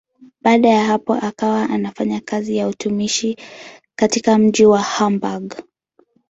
Baada ya hapo akawa anafanya kazi ya utumishi katika mji wa Hamburg.